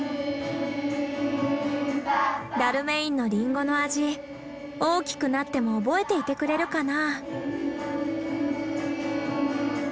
ダルメインのリンゴの味大きくなっても覚えていてくれるかな。